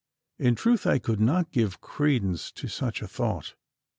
In truth I could not give credence to such a thought.